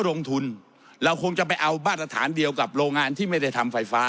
ลงทุนเราคงจะไปเอามาตรฐานเดียวกับโรงงานที่ไม่ได้ทำไฟฟ้า